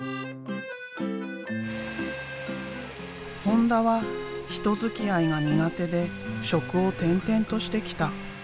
本田は人づきあいが苦手で職を転々としてきた。